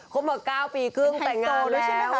เขาเมื่อ๙ปีครึ่งแต่งงานแล้ว